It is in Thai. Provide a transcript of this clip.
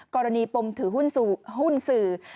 กรณีปมถือหุ้นสื่อ